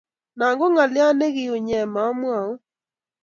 No ko ngolio ne kiunye mawaun